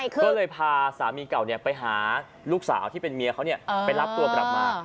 ก็เลยพาสามีเก่าไปหาลูกสาวที่เป็นเมียเขาไปรับตัวกลับมา